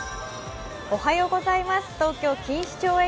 東京・錦糸町駅